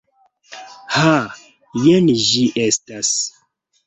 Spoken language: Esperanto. Ha, jen ĝi estas.